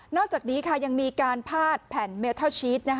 อกจากนี้ยังมีการพาดแผ่นเมลทัลชีส